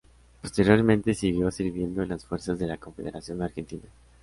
Posteriormente siguió sirviendo en las fuerzas de la Confederación Argentina.